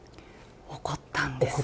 怒ったんですね。